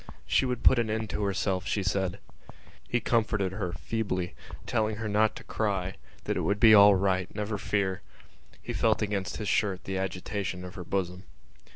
She would put an end to herself, she said. He comforted her feebly, telling her not to cry, that it would be all right, never fear. He felt against his shirt the agitation of her bosom.